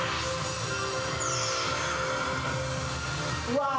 うわ！